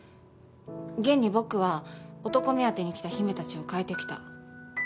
現に僕は男目当てに来た姫たちを変えてきた。